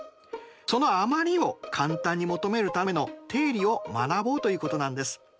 その余りを簡単に求めるための定理を学ぼうということなんです。